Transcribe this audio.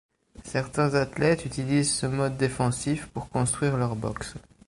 Certains athlètes utilisent ce mode défensif pour construire leur boxe.